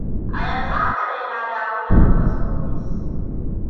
A yanzu haka dai na dawo daga fos ofis.